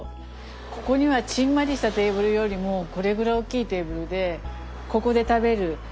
ここにはちんまりしたテーブルよりもこれぐらい大きいテーブルでここで食べるあそこで食べる。